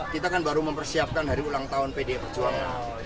kita kan baru mempersiapkan hari ulang tahun pdi perjuangan